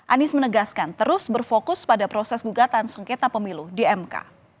anies menegaskan terus berfokus pada proses gugatan sengketa pemilu di mk